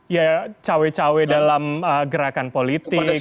ya cawe cawe dalam gerakan politik